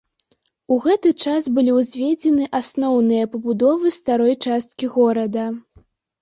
У гэты час былі ўзведзены асноўныя пабудовы старой часткі горада.